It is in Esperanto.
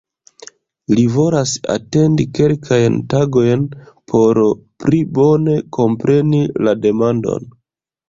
Li volas atendi kelkajn tagojn por "pli bone kompreni la demandon".